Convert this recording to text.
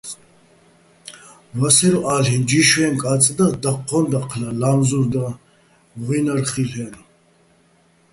ვასერვ ა́ლ'იჼ: ჯიშვეჼ კა́წ და, დაჴჴოჼ დაჴლა, ლა́მზურა́ და, ღუჲნარ ხილ'ო̆-აჲნო̆.